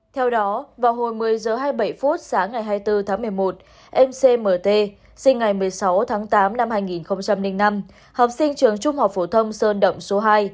theo đó vào hồi một mươi h hai mươi bảy phút sáng ngày hai mươi bốn tháng một mươi một em cmt sinh ngày một mươi sáu tháng tám năm hai nghìn năm học sinh trường trung học phổ thông sơn động số hai